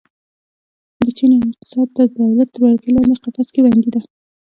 د چین اقتصاد د دولت تر ولکې لاندې قفس کې بندي ده.